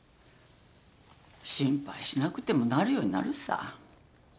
心配しなくてもなるようになるさ。